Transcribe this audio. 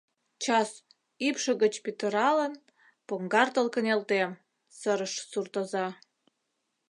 Час, ӱпшӧ гыч пӱтыралын, поҥгартыл кынелтем, — сырыш суртоза.